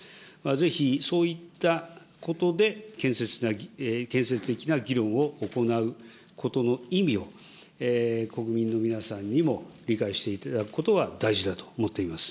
ぜひそういったことで、建設的な議論を行うことの意味を、国民の皆さんにも理解していただくことは大事だと思っています。